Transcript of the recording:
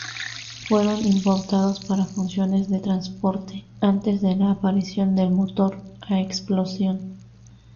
Fueron importados para funciones de transporte antes de la aparición del motor a explosión.